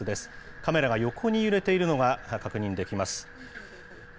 カメラが横に揺れているのが確認できます。